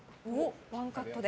ワンカットで。